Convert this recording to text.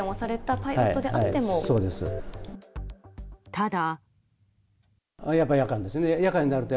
ただ。